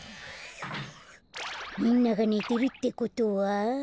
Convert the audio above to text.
みんながねてるってことは。